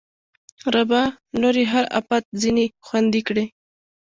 ربه! نور یې هر اپت ځنې خوندي کړې